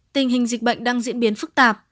tình hình dịch bệnh đang diễn biến phức tạp